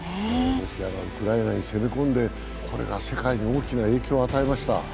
ロシアがウクライナに攻め込んで、これが世界に大きな影響を与えました。